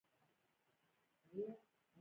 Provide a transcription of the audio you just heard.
ښارونه د افغانستان د سیلګرۍ برخه ده.